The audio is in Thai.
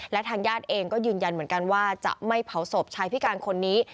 และทางญาติเองก็ยืนยันเหมือนกันว่าจะไม่เผาศพชายพิการคนนี้